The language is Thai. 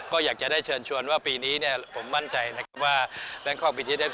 ก็อยากจะได้เชิญชวนว่าปีนี้ผมมั่นใจนะครับ